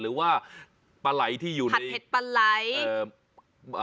หรือว่าปลาไหล่ที่อยู่ไหนผัดเผ็ดปลาไหล